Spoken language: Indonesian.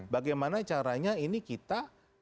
bagaimana caranya ini kita